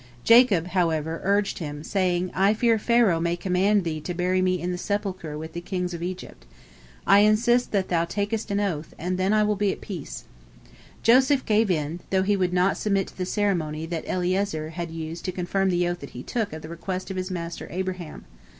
Jacob, however, urged him, saying: "I fear Pharaoh may command thee to bury me in the sepulchre with the kings of Egypt. I insist that thou takest an oath, and then I will be at peace." Joseph gave in, though he would not submit to the ceremony that Eliezer had used to confirm the oath he took at the request of his master Abraham.